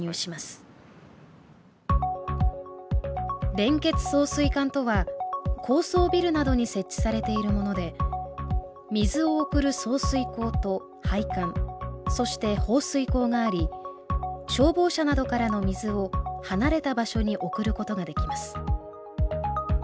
連結送水管とは高層ビルなどに設置されているもので水を送る送水口と配管そして放水口があり消防車などからの水を離れた場所に送ることができます